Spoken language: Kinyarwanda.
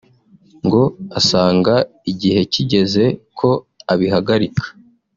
ngo asanga igihe kigeze ko abihagarika